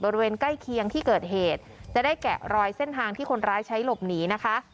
บริเวณใกล้เคียงที่เกิดเหตุจะได้แกะรอยเส้นทางที่คนร้ายใช้หลบหนีนะคะ